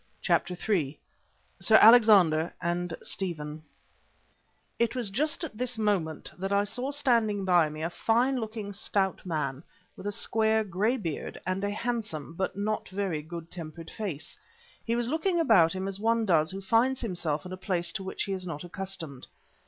CHAPTER III SIR ALEXANDER AND STEPHEN It was just at this moment that I saw standing by me a fine looking, stout man with a square, grey beard and a handsome, but not very good tempered face. He was looking about him as one does who finds himself in a place to which he is not accustomed.